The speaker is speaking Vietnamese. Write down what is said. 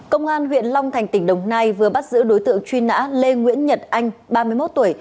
công an huyện long thành tỉnh đồng nai vừa bắt giữ đối tượng truy nã lê nguyễn nhật anh ba mươi một tuổi